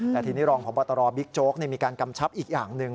แต่ทีนี้รองพบตรบิ๊กโจ๊กมีการกำชับอีกอย่างหนึ่ง